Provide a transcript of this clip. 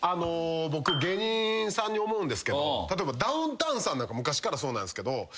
僕芸人さんに思うんですけど例えばダウンタウンさんなんか昔からそうなんですけど。